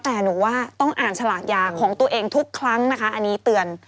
แต่หนูว่าต้องอ่านฉลากยาของตัวเองทุกครั้งนะคะอันนี้เตือน